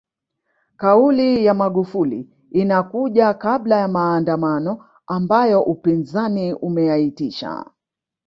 Kauli ya Magufuli inakuja kabla ya maandamano ambayo upinzani umeyaitisha